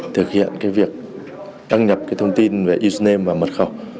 thực hiện cái việc đăng nhập cái thông tin về username và mật khẩu